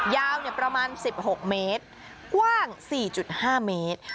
ยาวประมาณ๑๖เมตรกว้าง๔๕เมตร